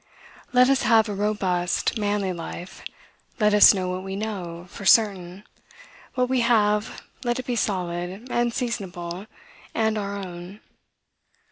Let us have a robust, manly life; let us know what we know, for certain; what we have, let it be solid, and seasonable, and our own.